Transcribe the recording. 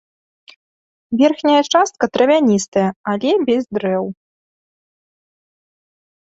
Верхняя частка травяністая, але без дрэў.